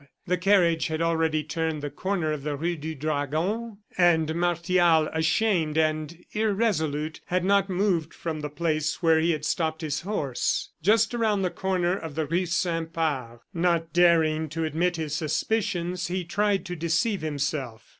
The carriage had already turned the corner of the Rue du Dragon, and Martial, ashamed and irresolute, had not moved from the place where he had stopped his horse, just around the corner of the Rue Saint Pares. Not daring to admit his suspicions, he tried to deceive himself.